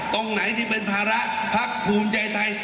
ตรงไหนที่เป็นภาระพักภูมิใจไทย